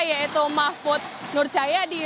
yaitu mahfud nurcayadi